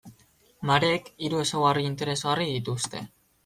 Mareek hiru ezaugarri interesgarri dituzte.